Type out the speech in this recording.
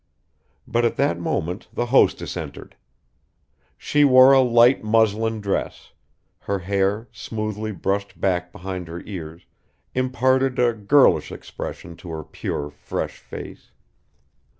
But at that moment the hostess entered. She wore a light muslin dress; her hair, smoothly brushed back behind her ears, imparted a girlish expression to her pure, fresh face.